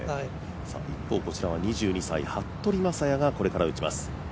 一方、こちらは２２歳服部雅也が打ちます。